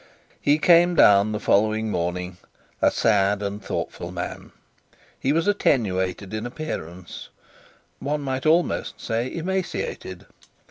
He came down the following morning a sad and thoughtful man. He was attenuated in appearance; one might almost say emaciated.